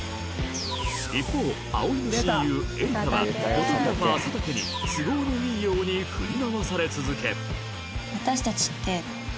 一方葵の親友エリカはフォトグラファー佐竹に都合のいいように振り回され続け